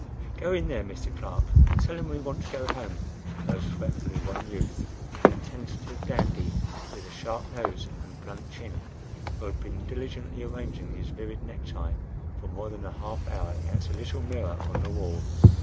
"Go in there, Mr. Clark, and tell him we want to go home," urged fretfully one youth, a tentative dandy, with a sharp nose and blunt chin, who had been diligently arranging his vivid necktie for more than a half hour at a little mirror on the wall.